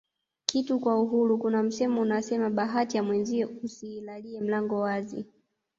kitu kwa uhuru Kuna msemo unasema bahati ya mwenzio usilalie mlango wazi